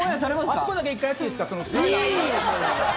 あそこだけ１回やっていいですか？